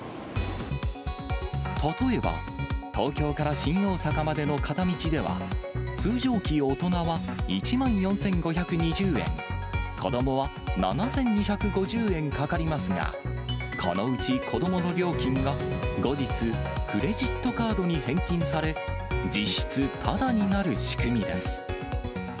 例えば、東京から新大阪までの片道では、通常期、大人は１万４５２０円、子どもは７２５０円かかりますが、このうち子どもの料金が後日クレジットカードに返金され、実質ただになる仕組みです。